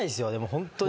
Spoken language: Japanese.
ホントに。